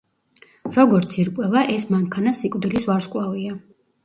როგორც ირკვევა, ეს მანქანა სიკვდილის ვარსკვლავია.